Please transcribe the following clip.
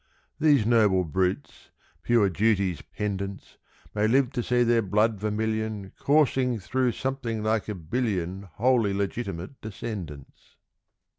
= These noble brutes, pure Duty's pendants, May live to see their blood vermilion Coursing through something like a billion Wholly legitimate descendants.